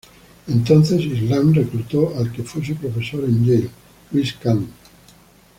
Entonces Islam reclutó al que fue su profesor en Yale, Louis Kahn.